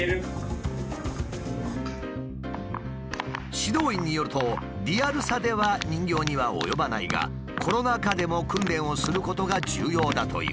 指導員によるとリアルさでは人形には及ばないがコロナ禍でも訓練をすることが重要だという。